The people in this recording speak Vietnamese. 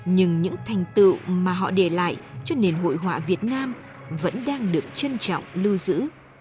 nhưng những thành tựu mà họ để lại cho nền hội họa việt nam vẫn đang được trân trọng lưu giữ